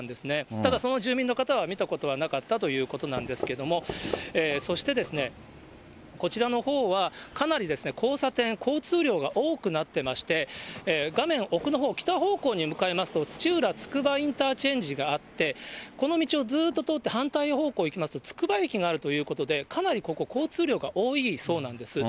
ただその住民の方は見たことはなかったということなんですけども、そしてですね、こちらのほうは、かなり交差点、交通量が多くなってまして、画面奥のほう、北方向に向かいますと、土浦つくばインターチェンジがあって、この道をずっと通って反対方向に行きますと、つくば駅があるということで、かなりここ、交通量が多いそうなんです。